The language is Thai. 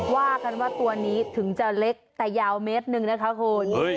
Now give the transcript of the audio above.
ว่ากันว่าตัวนี้ถึงจะเล็กแต่ยาวเมตรหนึ่งนะคะคุณ